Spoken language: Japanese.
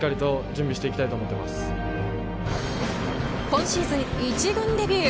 今シーズン１軍デビュー。